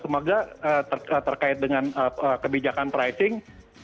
semoga terkait dengan kebijakan pricing